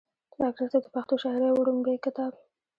ډاکټر صېب د پښتو شاعرۍ وړومبے کتاب